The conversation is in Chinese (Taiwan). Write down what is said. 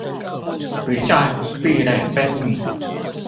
不再壁壘分明